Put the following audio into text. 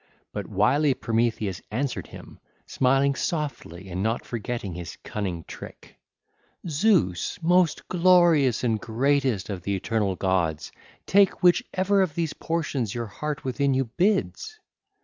But wily Prometheus answered him, smiling softly and not forgetting his cunning trick: (ll. 548 558) 'Zeus, most glorious and greatest of the eternal gods, take which ever of these portions your heart within you bids.